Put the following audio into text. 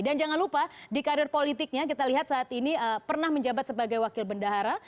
dan jangan lupa di karir politiknya kita lihat saat ini pernah menjabat sebagai wakil bendahara